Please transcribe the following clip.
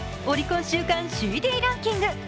オリコン週間ＣＤランキング。